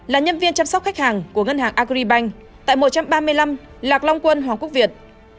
là nhân viên chăm sóc khách hàng của ngân hàng agribank tại một trăm ba mươi năm lạc long quân hoàng quốc việt